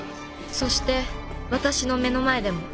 そしてわたしの目の前でも